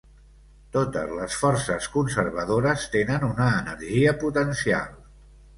Totes les forces conservadores tenen una energia potencial.